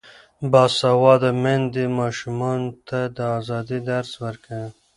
باسواده میندې ماشومانو ته د ازادۍ درس ورکوي.